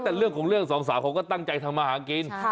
แต่เรื่องของเรื่องสองสาวเขาก็ตั้งใจทำมาหากิน